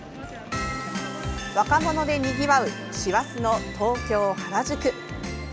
若者でにぎわう師走の東京・原宿。